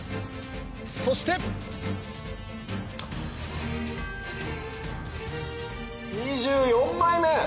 そして２４枚目！